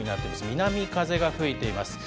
南風が吹いています。